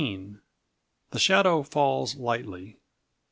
_The Shadow Falls Lightly.